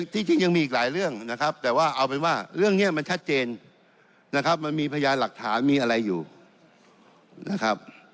ที่จริงยังมีอีกหลายเรื่องนะครับแต่ว่าเอาเป็นว่าเรื่องนี้มันชัดเจนนะครับมันมีพยานหลักฐานมีอะไรอยู่นะครับ